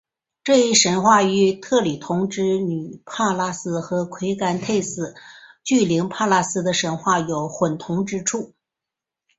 这一神话与特里同之女帕拉斯和癸干忒斯巨灵帕拉斯的神话有混同之处。